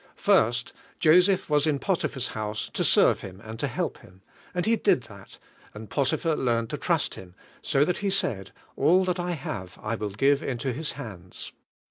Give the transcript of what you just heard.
First, Joseph was in Potiphar's house to serve him and to help him, and he did that, and Potiphar learned to trust him, so that he said, "All that I have I will give into his hands."